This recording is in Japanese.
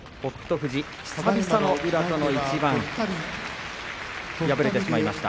富士、久々の宇良との一番敗れてしまいました。